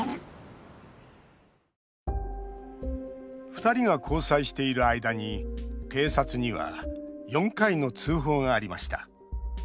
２人が交際している間に警察には４回の通報がありました。